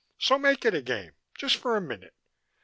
"So make it a game. Just for a minute.